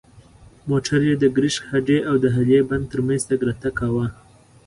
موټر یې د کرشک هډې او د هالې بند تر منځ تګ راتګ کاوه.